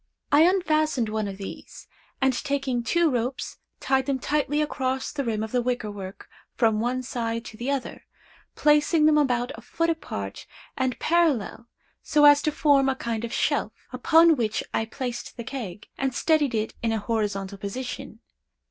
I unfastened one of these, and taking two ropes tied them tightly across the rim of the wicker work from one side to the other; placing them about a foot apart and parallel so as to form a kind of shelf, upon which I placed the keg, and steadied it in a horizontal position.